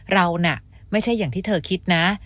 เราน่ะไม่ใช่อย่างที่เธอคิดนะ